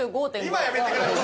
今やめてください！